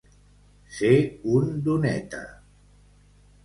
Ser un doneta.